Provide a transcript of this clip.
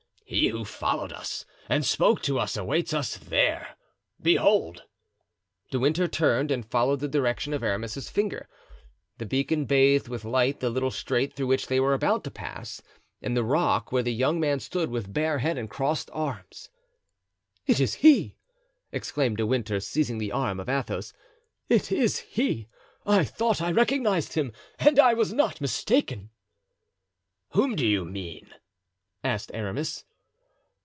"He who followed us and spoke to us awaits us there; behold!" De Winter turned and followed the direction of Aramis's finger. The beacon bathed with light the little strait through which they were about to pass and the rock where the young man stood with bare head and crossed arms. "It is he!" exclaimed De Winter, seizing the arm of Athos; "it is he! I thought I recognized him and I was not mistaken." "Whom do you mean?" asked Aramis.